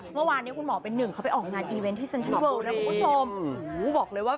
ก็คื้มว่าร้อนคุณหมอเป็นหนึ่งเค้าไปออกงานนี้ไม่รู้นะคุณผู้ชมบอกได้ว่า